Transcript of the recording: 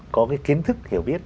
có cái kiến thức hiểu biết